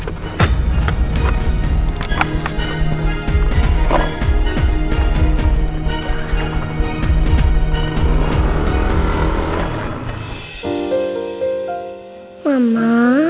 mama aku mau ketemu mama